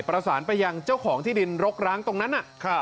ประสานไปยังเจ้าของที่ดินรกร้างตรงนั้นน่ะ